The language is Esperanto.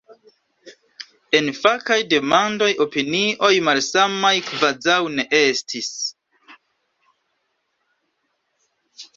En fakaj demandoj opinioj malsamaj kvazaŭ ne estis.